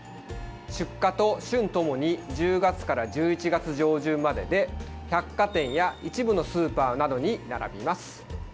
出荷と旬ともに１０月から１１月上旬までで百貨店や一部のスーパーなどに並びます。